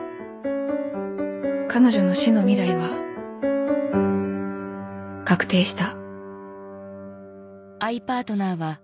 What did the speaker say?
彼女の死の未来は確定した